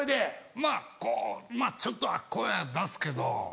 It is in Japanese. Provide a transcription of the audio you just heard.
まぁこうちょっとは声は出すけど。